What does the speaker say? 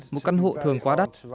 một căn hộ thường quá đắt